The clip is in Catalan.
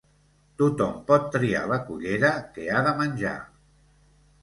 Tothom pot triar la cullera que ha de menjar.